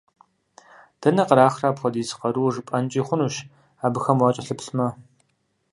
Дэнэ кърахрэ апхуэдиз къару жыпIэнкIи хъунщ, абыхэм уакIэлъыплъмэ!